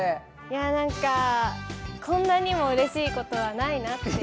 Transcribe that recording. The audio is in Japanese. いや何かこんなにもうれしい事はないなっていう。